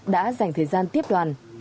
đã dành thời gian tiếp đoàn